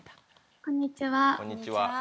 こんにちは。